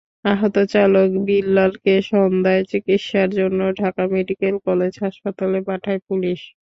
আহত চালক বিল্লালকে সন্ধ্যায় চিকিৎসার জন্য ঢাকা মেডিকেল কলেজ হাসপাতালে পাঠায় পুলিশ।